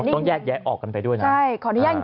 ต้องแยกแยะออกกันไปด้วยนะ